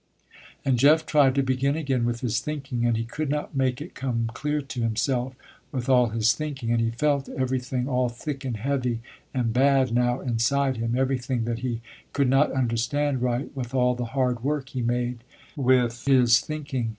And Jeff tried to begin again with his thinking, and he could not make it come clear to himself, with all his thinking, and he felt everything all thick and heavy and bad, now inside him, everything that he could not understand right, with all the hard work he made, with his thinking.